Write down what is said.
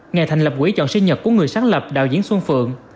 ngày thành lập quỹ chọn sinh nhật của người sáng lập đạo diễn xuân phượng